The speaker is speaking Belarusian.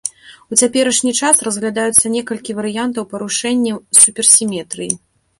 У цяперашні час разглядаюцца некалькі варыянтаў парушэнні суперсіметрыі.